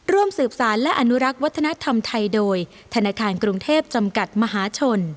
ร่วมสืบสารและอนุรักษ์วัฒนธรรมไทยโดยธนาคารกรุงเทพจำกัดมหาชน